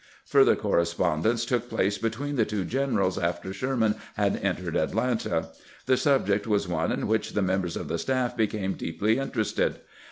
Further correspondence took place between the two generals after Sherman had en tered Atlanta. The subject was one in which the mem bers of the staff became deeply interested.